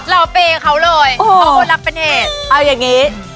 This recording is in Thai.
เราเปย์เขาเลยเพราะคนรักเป็นเหตุเอาอย่างนี้